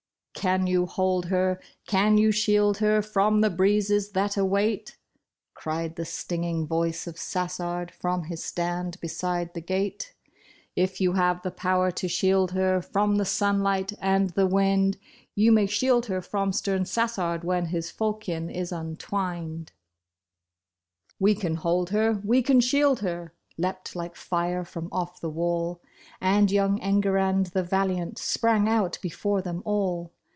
'' Can you hold her, can you shield her from the breezes that await ?" Cried the stinging voice of Sassard from his stand beside the gate. " If you have the power to shield her from the sun light and the wind. You may shield her from stern Sassard when his fal chion is untwined." 4 THE DEFENCE OF THE BRIDE. " We can hold her, we can shield her," leaped like fire from off the wall. And young Enguerrand the valiant, sprang out be fore them all.